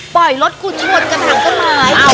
ปล่อยรถกูชนกระถางไม้